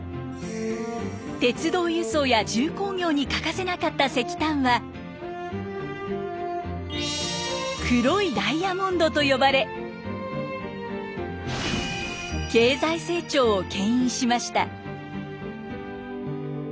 鉄道輸送や重工業に欠かせなかった石炭は黒いダイヤモンドと呼ばれ経済成長をけん引しました。